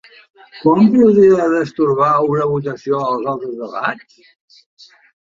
Quan podria destorbar una votació els altres debats?